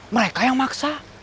mereka yang maksa